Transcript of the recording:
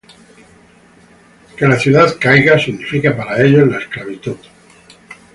Que la ciudad caiga significa para ellos la esclavitud.